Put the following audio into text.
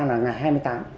là ngày hai mươi tám